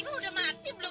gak ada bendera kuning